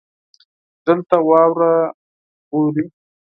دلته واوره اوري.